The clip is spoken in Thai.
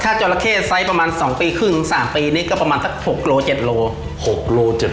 ถ้าจราเข้ไซส์ประมาณ๒ปีครึ่ง๓ปีนี้ก็ประมาณสัก๖โล๗โล๖โล๗๐